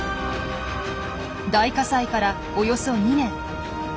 大火災からおよそ２年。